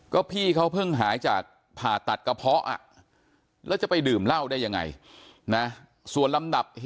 ก็พี่เขาเพิ่งหายจากผ่าตัดกระเพาะอ่ะ